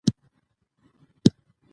زوی یې روژه په خوښۍ نیسي.